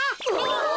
お。